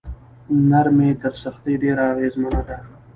نرمي تر سختۍ ډیره اغیزمنه ده.